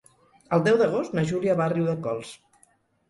El deu d'agost na Júlia va a Riudecols.